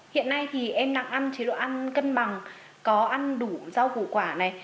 hiện nay thì em đang ăn chế độ ăn cân bằng có ăn đủ rau củ quả này